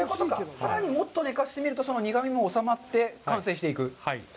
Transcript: さらにもっと寝かしてみると苦みもおさまって、完成していくはい。